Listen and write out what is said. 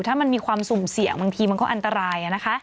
ถ้ามันมีความสุ่มเสี่ยงบางทีมันก็อันตราย